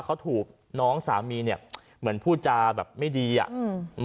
เขาถูกน้องสามีเนี้ยเหมือนพูดจาแบบไม่ดีอ่ะอืม